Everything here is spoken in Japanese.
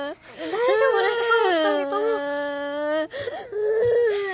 大丈夫ですか？